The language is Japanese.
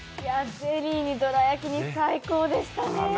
ゼリーにどら焼きに最高でしたね。